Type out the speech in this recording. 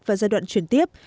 và giai đoạn chuyển tiếp